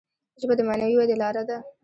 ژبه د معنوي ودي لاره ده.